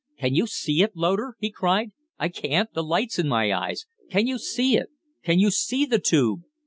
"Can you see it, Loder?" he cried. "I can't the light's in my eyes. Can you see it? Can you see the tube?"